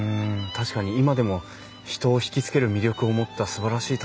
確かに今でも人を引き付ける魅力を持ったすばらしい建物ですもんね。